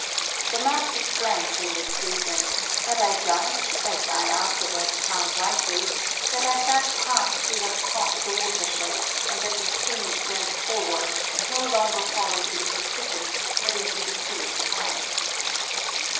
The map is blank in this region, but I judged, as I afterwards found rightly, that at that pass we had crossed the water shed, and that the streams thenceforward no longer fall into the Pacific, but into the Sea of Japan.